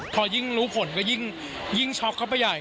พอยิ่งรู้ผลก็ยิ่งช็อกเข้าไปใหญ่